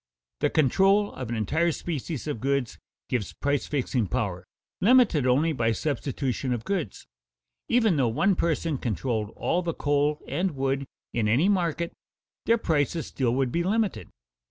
The control of an entire species of goods gives price fixing power, limited only by substitution of goods. Even though one person controlled all the coal and wood in any market, their prices still would be limited.